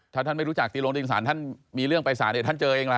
ถ้าท่านไม่รู้จักตีโรงตีนศาลท่านมีเรื่องไปสารเนี่ยท่านเจอเองล่ะ